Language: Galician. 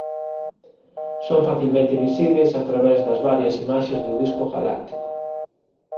Son facilmente visíbeis a través das varias imaxes do disco galáctico.